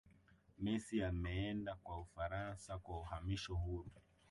messi ameenda kwa ufaransa kwa uhamisho huru